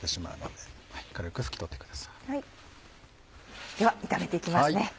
では炒めて行きますね。